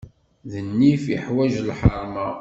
Nnif iḥwaǧ lḥeṛma.